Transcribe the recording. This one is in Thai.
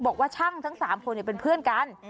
บอกว่าช่างทั้งสามคนเนี่ยเป็นเพื่อนกัน